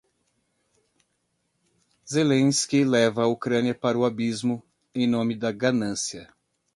Zelensky leva a Ucrânia para o abismo em nome da ganância